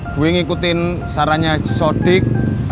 gue ngikutin sarannya sodik